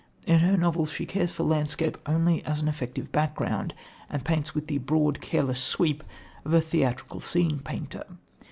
In her novels she cares for landscape only as an effective background, and paints with the broad, careless sweep of the theatrical scene painter.